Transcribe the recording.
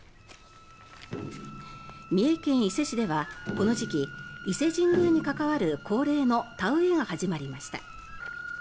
三重県伊勢市ではこの時期、伊勢神宮に関わる恒例の田植えが始まりました。